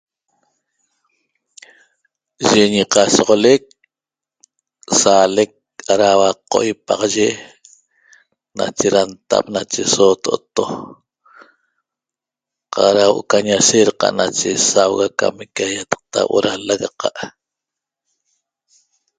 Yi ñiqasoxolec saalec daua qoipaqye nache ntap nache sooto'oto qaq da huo'o ca ñasheedqa' nache sauga cam eca ýataqta huo'o da l-lagaqa'